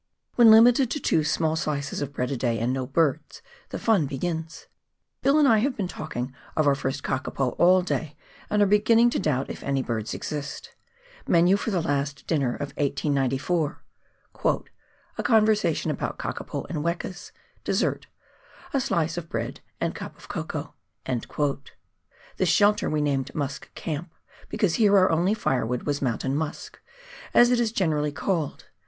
"When limited to two small slices of bread a day, and no birds, the fun begins ! Bill and I have been talking of our first kakapo all day, and are beginning to doubt if any birds exist. Menu for the last dinner of 1894 :—" A conversation abont Kakapo and Wekas. Dessert. A slice of bread and cup of cocoa." This shelter we named "Musk Camp," because here our only fire wood was mountain musk, as it is generally called.